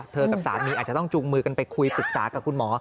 กับสามีอาจจะต้องจูงมือกันไปคุยปรึกษากับคุณหมอ